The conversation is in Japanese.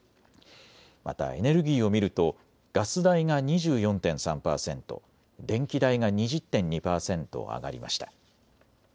またエネルギーを見るとガス代が２４．３％、電気代が２０．２％上がりました。